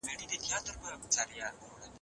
د شیطان وسوسو ته پام نه کېږي.